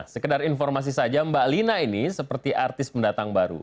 sekedar informasi saja mbak lina ini seperti artis pendatang baru